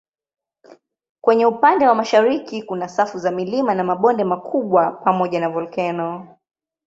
Kwenye upande wa mashariki kuna safu za milima na mabonde makubwa pamoja na volkeno.